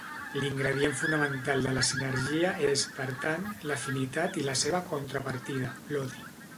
L'ingredient fonamental de la sinergia és, per tant, l'afinitat i la seva contrapartida, l'odi.